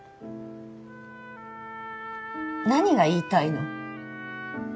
何が言いたいの？